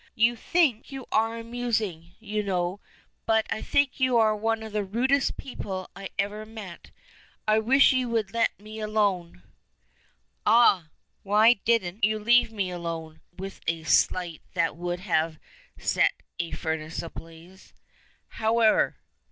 "You think you are amusing, you know, but I think you are one of the rudest people I ever met. I wish you would let me alone." "Ah! Why didn't you leave me alone?" says he, with a sigh that would have set a furnace ablaze. "However!"